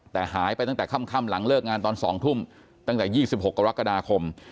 แต่หายไปตั้งแต่ค่ำหลังเลิกงานตอน๒ทุ่มตั้งแต่๒๖กรกฎาคม